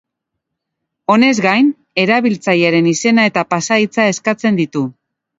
Honez gain, erabiltzailearen izena eta pasahitza eskatzen ditu.